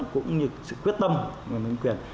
cũng như sự quyết tâm người nâng quyền